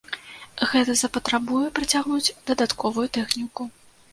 Гэта запатрабуе прыцягнуць дадатковую тэхніку.